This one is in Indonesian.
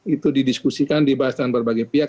itu didiskusikan dibahas dengan berbagai pihak